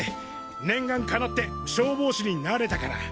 念願かなって消防士になれたから。